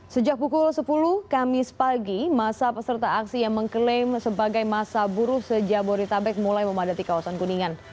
sejak pukul sepuluh kamis pagi masa peserta aksi yang mengklaim sebagai masa buruh sejak bodetabek mulai memadati kawasan kuningan